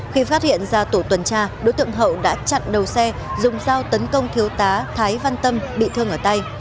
khi phát hiện ra tổ tuần tra đối tượng hậu đã chặn đầu xe dùng dao tấn công thiếu tá thái văn tâm bị thương ở tay